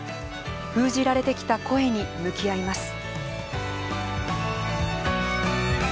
封じられてきた声に向き合います。